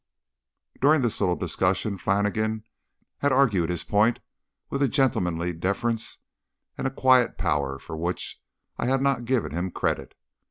During this little discussion Flannigan had argued his point with a gentlemanly deference and a quiet power for which I had not given him credit.